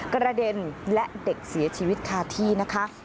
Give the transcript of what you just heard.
กระเด็นและเด็กเสียชีวิตคาที่นะคะ